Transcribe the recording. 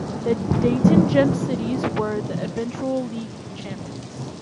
The Dayton Gem Citys were the eventual league champions.